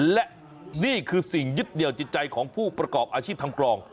และนี่คือสิ่งยึดเหนียวจิตใจของผู้ประกอบอาชีพทำกลอง